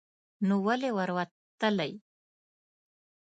نو ولې ور وتلی ؟